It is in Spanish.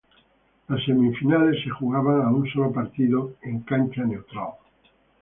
Las semifinales se jugaban a un solo partido en cancha neutral.